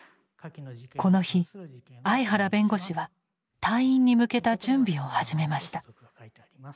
この日相原弁護士は退院に向けた準備を始めました。